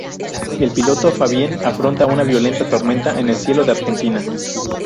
El piloto Fabien afronta una violenta tormenta en el cielo de Argentina.